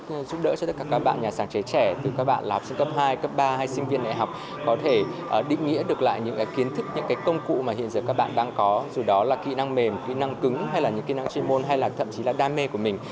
hội trợ triển lãm sáng chế trẻ có thể định nghĩa được lại những kiến thức những công cụ mà hiện giờ các bạn đang có dù đó là kỹ năng mềm kỹ năng cứng hay là những kỹ năng chuyên môn hay là thậm chí là đam mê của mình